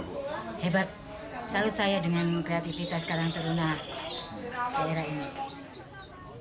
hebat salus saya dengan kreativitas sekarang terluna daerah ini